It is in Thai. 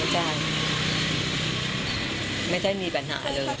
ใช่ไม่ใช่มีปัญหาเลย